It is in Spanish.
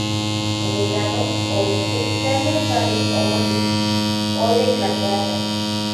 En el lado oeste se halla el barrio homónimo, hoy de clase alta.